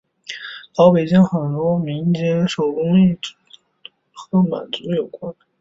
老北京很多民间手工艺的创造都跟满族有关。